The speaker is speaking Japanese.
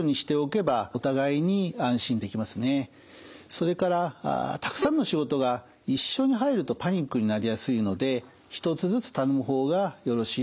それからたくさんの仕事が一緒に入るとパニックになりやすいので１つずつ頼む方がよろしいと思います。